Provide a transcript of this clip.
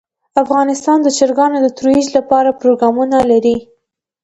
افغانستان د چرګانو د ترویج لپاره پروګرامونه لري.